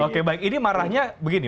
oke baik ini marahnya begini